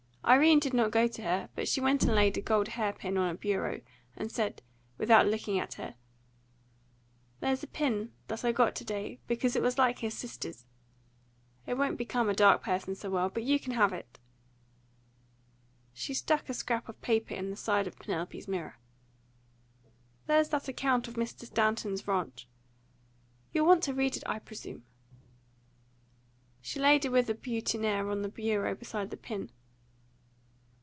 Irene did not go to her; but she went and laid a gold hair pin on her bureau, and said, without looking at her, "There's a pin that I got to day, because it was like his sister's. It won't become a dark person so well, but you can have it." She stuck a scrap of paper in the side of Penelope's mirror. "There's that account of Mr. Stanton's ranch. You'll want to read it, I presume." She laid a withered boutonniere on the bureau beside the pin.